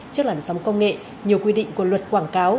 trước làn sóng công nghệ nhiều quy định của luật quảng cáo